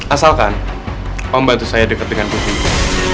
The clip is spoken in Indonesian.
asalkan om bantu saya deket dengan putri itu